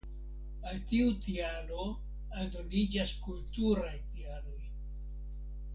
Al tiu tialo aldoniĝas kulturaj tialoj.